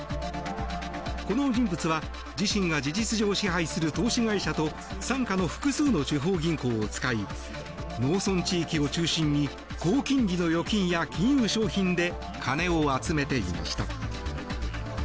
この人物は自身が事実上支配する投資会社と傘下の複数の地方銀行を使い農村地域を中心に高金利の預金や金融商品で金を集めていました。